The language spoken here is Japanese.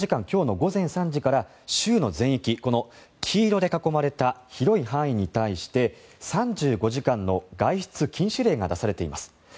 今日の午前３時から州の全域黄色で囲まれた広い範囲に対して３５時間の外出禁止令が出されています。